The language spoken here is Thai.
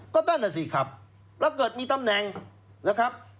ก็นั่นน่ะสิครับแล้วเกิดมีตำแหน่งนะครับ